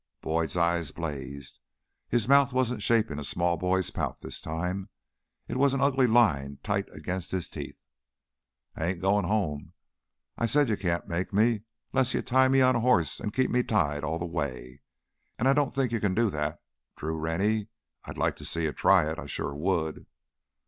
Boyd's eyes blazed. His mouth wasn't shaping a small boy's pout this time; it was an ugly line tight against his teeth. "I ain't goin' home! I said you can't make me, 'less you tie me on a horse and keep me tied all the way. And I don't think you can do that, Drew Rennie. I'd like to see you try it; I sure would!"